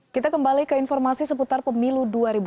kita kembali ke informasi seputar pemilu dua ribu dua puluh